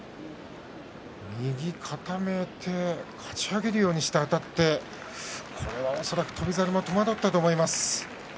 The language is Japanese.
右、固めてかち上げるようにしてあたってこれは翔猿も戸惑ったと思います。